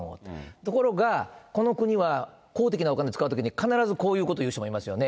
ところが、この国は公的なお金を使うときに、必ずこういうことを言う人もいますよね。